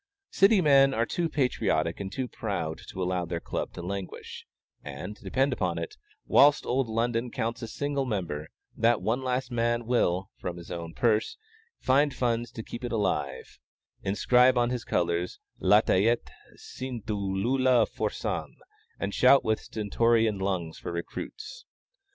City men are too patriotic and too proud to allow their Club to languish; and, depend upon it, whilst the old London counts a single member, that one last man will, from his own purse, find funds to keep it alive, inscribe on his colors "Lateat scintillula forsan," and shout with stentorian lungs for recruits.